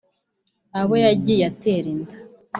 abo yagiye atera inda